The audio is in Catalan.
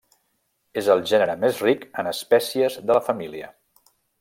És el gènere més ric en espècies de la família.